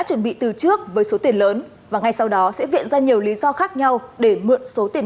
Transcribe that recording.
chuẩn bị từ trước với số tiền lớn và ngay sau đó sẽ viện ra nhiều lý do khác nhau để mượn số tiền